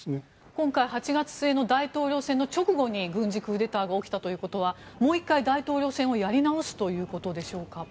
今回８月末の大統領選の直後に軍事クーデターが起きたということはもう１回、大統領選をやり直すということでしょうか？